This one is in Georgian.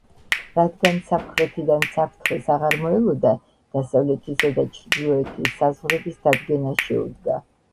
რადგან სამხრეთიდან საფრთხეს აღარ მოელოდა, დასავლეთისა და ჩრდილოეთის საზღვრების დადგენას შეუდგა.